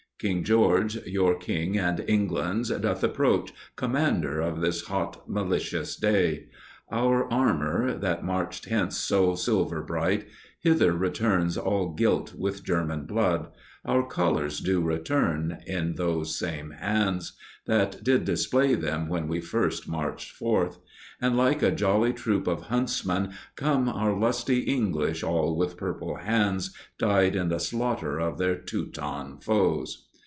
King George, your King and England's, doth approach, Commander of this hot, malicious day! Our armour, that marched hence so silver bright, Hither returns all gilt with German blood; Our colours do return in those same hands That did display them when we first marched forth; And, like a jolly troup of huntsmen, come Our lusty English all with purple hands, Dyed in the slaughter of their Teuton foes.